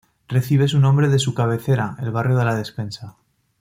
Recibe su nombre de su cabecera, el barrio de La Despensa.